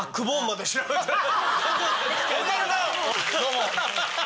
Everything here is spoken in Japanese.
どうも。